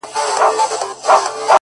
زه د جنتونو و اروا ته مخامخ يمه-